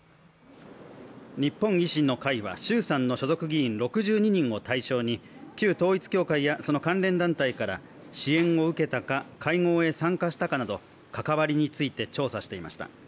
日本維新の会は、衆参の所属議員６２人を対象に旧統一教会やその関連団体から支援を受けたか、会合へ参加したかなど関わりについて調査していました。